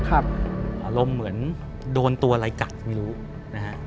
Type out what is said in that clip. อารมณ์เหมือนโดนตัวอะไรกัดไม่รู้นะฮะ